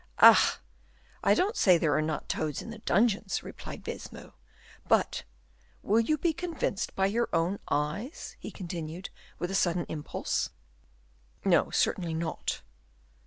"Ah! I don't say there are not toads in the dungeons," replied Baisemeaux. "But will you be convinced by your own eyes?" he continued, with a sudden impulse. "No, certainly not."